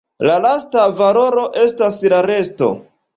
La lasta valoro estas la resto.